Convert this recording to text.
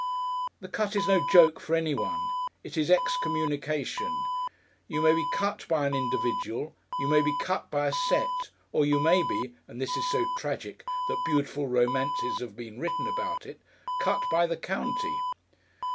The cut is no joke for anyone. It is excommunication. You may be cut by an individual, you may be cut by a set or you may be and this is so tragic that beautiful romances have been written about it "Cut by the County."